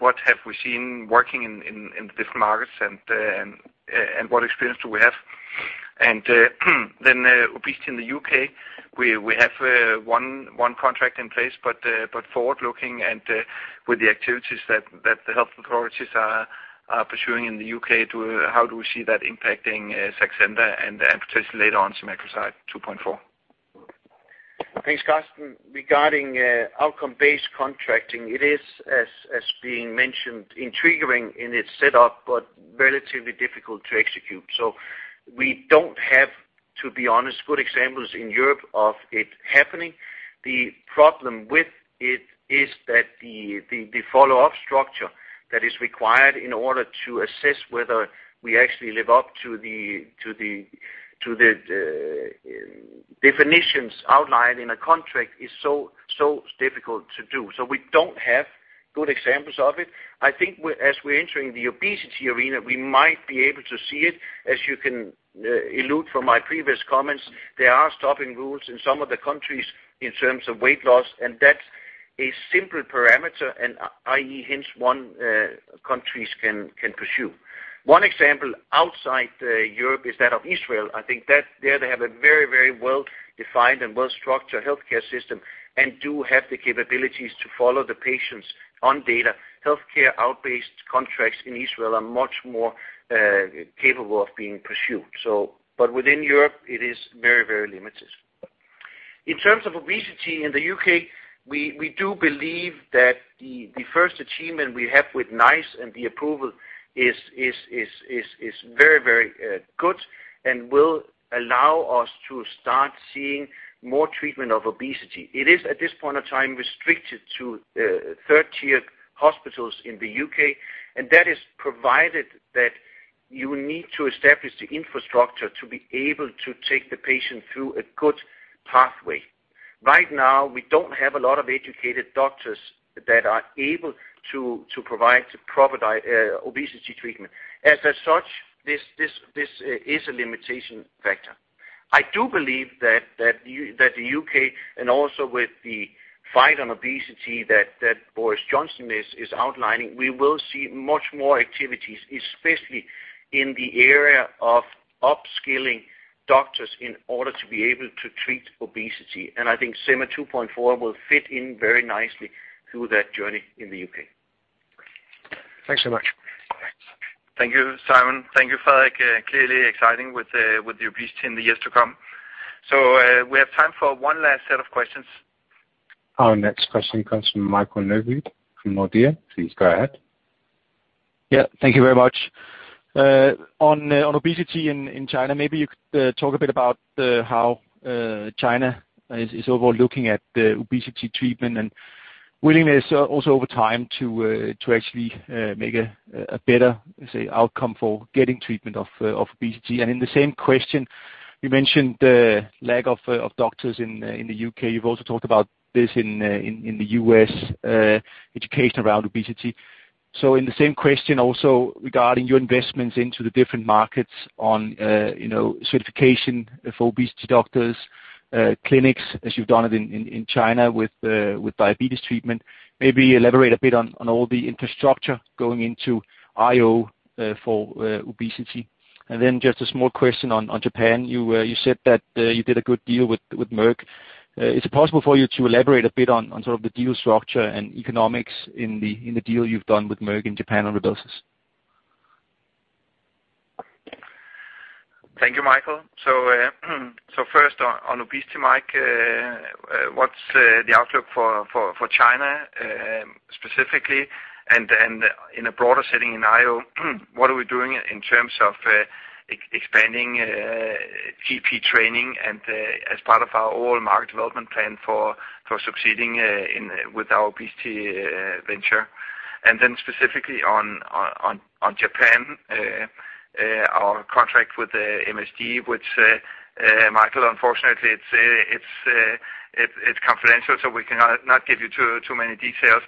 What have we seen working in different markets, and what experience do we have? Obesity in the U.K., we have one contract in place, but forward-looking and with the activities that the health authorities are pursuing in the U.K., how do we see that impacting Saxenda and potentially later on semaglutide 2.4? Thanks, Karsten. Regarding outcome-based contracting, it is as being mentioned, intriguing in its setup but relatively difficult to execute. We do not have, to be honest, good examples in Europe of it happening. The problem with it is that the follow-up structure that is required in order to assess whether we actually live up to the definitions outlined in a contract is so difficult to do. We do not have good examples of it. I think as we're entering the obesity arena, we might be able to see it. As you can allude from my previous comments, there are stopping rules in some of the countries in terms of weight loss, and that's a simple parameter and i.e., hence one countries can pursue. One example outside Europe is that of Israel. I think that there they have a very well-defined and well-structured healthcare system and do have the capabilities to follow the patients on data. Healthcare outbased contracts in Israel are much more capable of being pursued. Within Europe, it is very limited. In terms of obesity in the U.K., we do believe that the first achievement we have with NICE and the approval is very good. Will allow us to start seeing more treatment of obesity. It is, at this point of time, restricted to third-tier hospitals in the U.K., and that is provided that you need to establish the infrastructure to be able to take the patient through a good pathway. Right now, we don't have a lot of educated doctors that are able to provide proper obesity treatment. As such, this is a limitation factor. I do believe that the U.K., and also with the fight on obesity that Boris Johnson is outlining, we will see much more activities, especially in the area of upskilling doctors in order to be able to treat obesity. I think semaglutide 2.4 will fit in very nicely through that journey in the U.K. Thanks so much. Thanks. Thank you, Simon. Thank you, Frederik. Clearly exciting with obesity in the years to come. We have time for one last set of questions. Our next question comes from Michael Novod from Nordea. Please go ahead. Yeah. Thank you very much. On obesity in China, maybe you could talk a bit about how China is overall looking at the obesity treatment and willingness also over time to actually make a better, say, outcome for getting treatment of obesity. In the same question, you mentioned the lack of doctors in the U.K. You've also talked about this in the U.S., education around obesity. In the same question also regarding your investments into the different markets on certification of obesity doctors, clinics, as you've done in China with diabetes treatment, maybe elaborate a bit on all the infrastructure going into IO for obesity. Just a small question on Japan. You said that you did a good deal with Merck. Is it possible for you to elaborate a bit on sort of the deal structure and economics in the deal you've done with Merck in Japan on RYBELSUS? Thank you, Michael. First on obesity, Mike, what's the outlook for China specifically and in a broader setting in IO, what are we doing in terms of expanding GP training and as part of our overall market development plan for succeeding with our obesity venture? Specifically on Japan, our contract with MSD, which Michael, unfortunately, it's confidential, so we cannot give you too many details.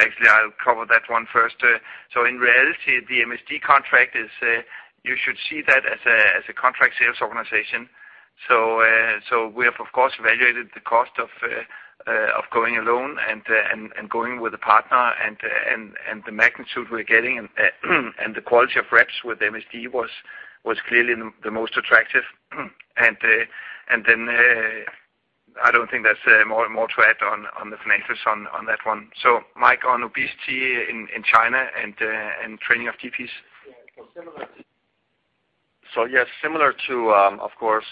Actually I'll cover that one first. In reality, the MSD contract, you should see that as a contract sales organization. We have of course evaluated the cost of going alone and going with a partner and the magnitude we're getting and the quality of reps with MSD was clearly the most attractive. I don't think there's more to add on the financials on that one. Mike, on obesity in China and training of GPs. Yes, similar to, of course,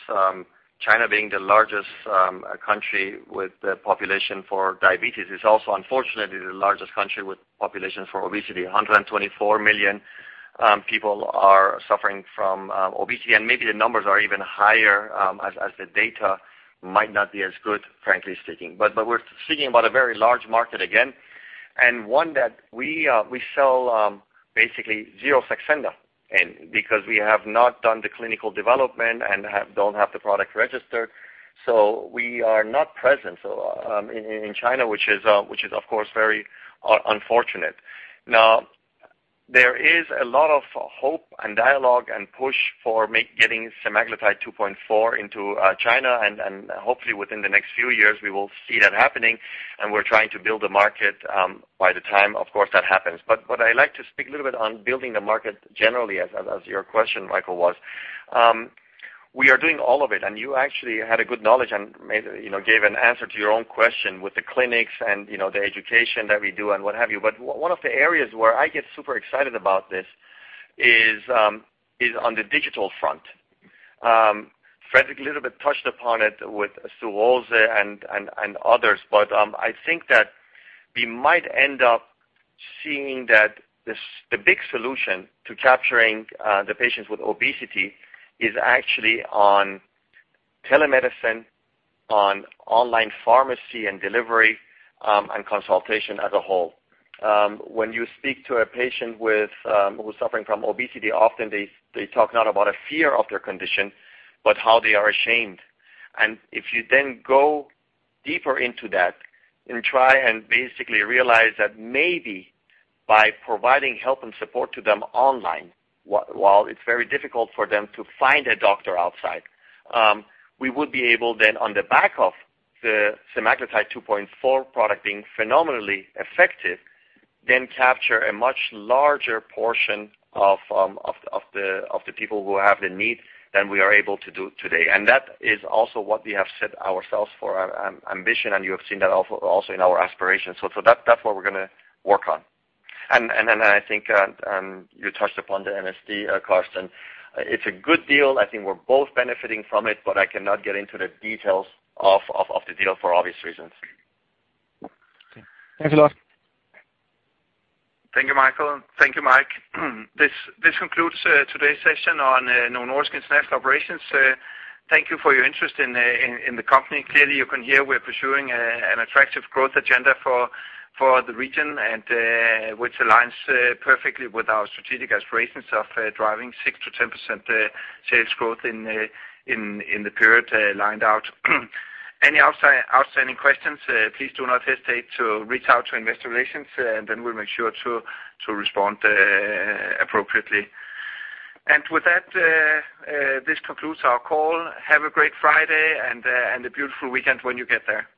China being the largest country with the population for diabetes. It's also unfortunately the largest country with population for obesity, 124 million people are suffering from obesity, and maybe the numbers are even higher as the data might not be as good, frankly speaking. We're speaking about a very large market again, and one that we sell basically zero Saxenda in because we have not done the clinical development and don't have the product registered. We are not present in China which is of course very unfortunate. There is a lot of hope and dialogue and push for getting semaglutide 2.4 into China, and hopefully within the next few years we will see that happening, and we're trying to build the market by the time of course that happens. I'd like to speak a little bit on building the market generally as your question, Michael was. We are doing all of it, and you actually had a good knowledge and gave an answer to your own question with the clinics and the education that we do and what have you. One of the areas where I get super excited about this is on the digital front. Frederik a little bit touched upon it with and others, but I think that we might end up seeing that the big solution to capturing the patients with obesity is actually on telemedicine, on online pharmacy and delivery, and consultation as a whole. When you speak to a patient who's suffering from obesity, often they talk not about a fear of their condition, but how they are ashamed. If you then go deeper into that and try and basically realize that maybe by providing help and support to them online, while it's very difficult for them to find a doctor outside, we would be able then on the back of the semaglutide 2.4 product being phenomenally effective, then capture a much larger portion of the people who have the need than we are able to do today. That is also what we have set ourselves for, ambition, and you have seen that also in our aspiration. That's what we're going to work on. I think you touched upon the MSD question. It's a good deal. I think we're both benefiting from it, but I cannot get into the details of the deal for obvious reasons. Okay. Thanks a lot. Thank you, Michael. Thank you, Mike. This concludes today's session on Novo Nordisk Inc. operations. Thank you for your interest in the company. Clearly, you can hear we're pursuing an attractive growth agenda for the region and which aligns perfectly with our strategic aspirations of driving 6%-10% sales growth in the period lined out. Any outstanding questions, please do not hesitate to reach out to Investor Relations, and then we'll make sure to respond appropriately. With that, this concludes our call. Have a great Friday and a beautiful weekend when you get there. Thank you.